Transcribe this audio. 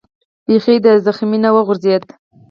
بیخي د ټپې نه و غورځېد.